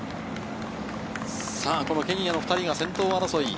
ケニアの２人が先頭争い。